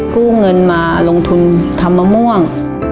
กู้เงินมาลงทุนทำมะม่วง